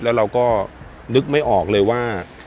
แล้วเราก็นึกไม่ออกเลยว่า